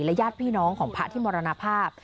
ญาติพี่น้องของพระที่มรณภาพ